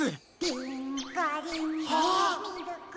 リーンゴリンゴミルクあ！